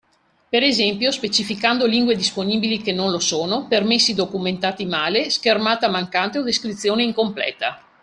Per esempio specificando lingue disponibili che non lo sono, permessi documentati male, schermata mancante o descrizione incompleta.